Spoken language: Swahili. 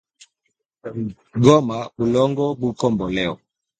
Goma bulongo buko mboleo